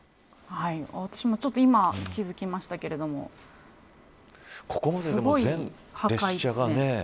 私もちょっと今気付きましたけれどもすごい破壊ですね。